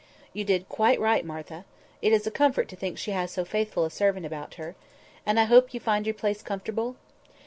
"You did quite right, Martha. It is a comfort to think she has so faithful a servant about her. And I hope you find your place comfortable?"